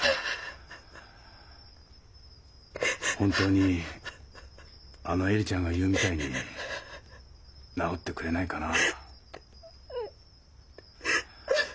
本当にあの恵里ちゃんが言うみたいに治ってくれないかな。